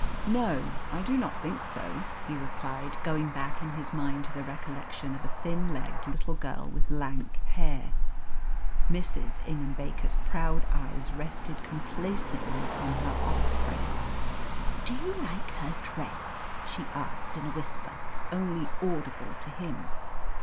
"No; I do not think so," he replied, going back in his mind to the recollection of a thin legged little girl with lank hair. Mrs. Ingham Baker's proud eyes rested complacently on her offspring. "Do you like her dress?" she asked in a whisper only audible to him.